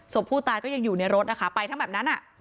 ศพผู้ตายก็ยังอยู่ในรถนะคะไปทั้งแบบนั้น